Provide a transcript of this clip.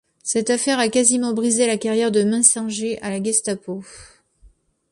Cette affaire a quasiment brisé la carrière de Meisinger à la Gestapo.